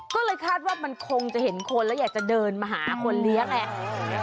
ก็เลยคาดว่ามันคงจะเห็นคนแล้วอยากจะเดินมาหาคนเลี้ยงไง